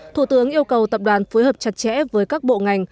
thủ tướng yêu cầu tập đoàn phối hợp chặt chẽ với các bộ ngành